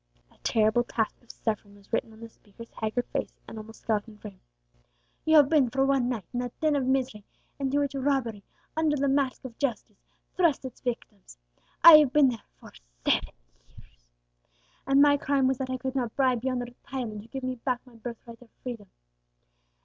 A terrible tale of suffering was written on the speaker's haggard face and almost skeleton frame. "You have been for one night in that den of misery into which robbery, under the mask of justice, thrusts its victims; I have been there for seven years! And my crime was that I could not bribe yonder tyrant to give me back my birthright of freedom!